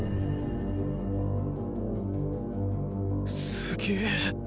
すげえ！